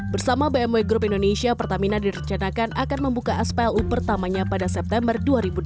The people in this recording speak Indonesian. bersama bmw group indonesia pertamina direncanakan akan membuka splu pertamanya pada september dua ribu delapan belas